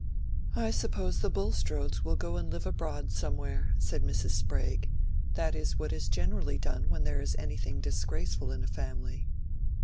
"I suppose the Bulstrodes will go and live abroad somewhere," said Mrs. Sprague. "That is what is generally done when there is anything disgraceful in a family."